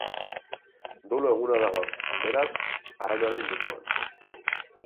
Dolu eguna da gaur, beraz, arraunaren munduan.